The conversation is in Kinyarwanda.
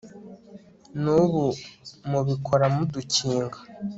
n'ubu mubikora mudukinga